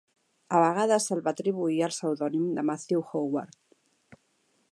A vegades se'l va atribuir el pseudònim de Matthew Howard.